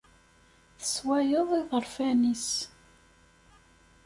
Tesswayeḍ iḍerfan-is.